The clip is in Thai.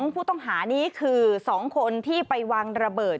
ผู้ต้องหานี้คือ๒คนที่ไปวางระเบิด